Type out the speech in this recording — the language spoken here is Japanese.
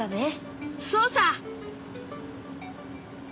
そうさ。